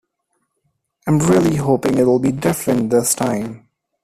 I'm really hoping it will be different this time.